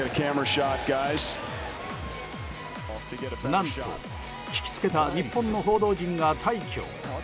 何と、聞きつけた日本の報道陣が大挙。